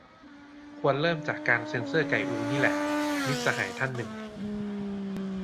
ควรเริ่มจากการเซ็นเซอร์ไก่อูนี่แหละ - มิตรสหายท่านหนึ่ง